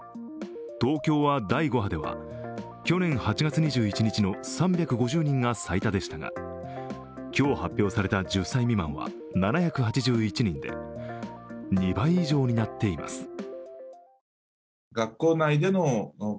東京は第５波では去年８月２１日の３５０人が最多でしたが、今日発表された１０歳未満は７８１人で２倍以上になっています。